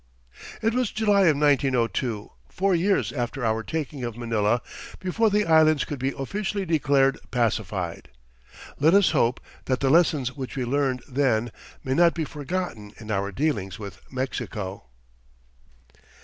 It was July of 1902, four years after our taking of Manila, before the Islands could be officially declared pacified. Let us hope that the lessons which we learned then may not be forgotten in our dealings with Mexico.